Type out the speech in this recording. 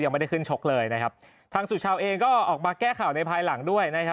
ไม่ได้ขึ้นชกเลยนะครับทางสุชาวเองก็ออกมาแก้ข่าวในภายหลังด้วยนะครับ